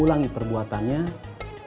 yang kedua tim pondam